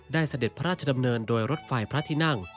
เสด็จพระราชดำเนินโดยรถไฟพระที่นั่ง